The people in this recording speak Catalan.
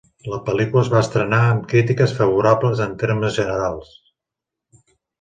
La pel·lícula es va estrenar amb crítiques favorables en termes generals.